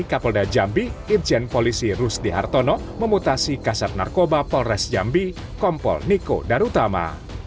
kapolda jambi irjen polisi rusdi hartono memutasi kasat narkoba polres jambi kompol niko darutama